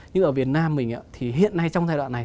nhưng ở việt nam mình thì hiện nay trong giai đoạn này